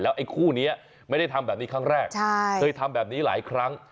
ไอ้คู่นี้ไม่ได้ทำแบบนี้ครั้งแรกเคยทำแบบนี้หลายครั้ง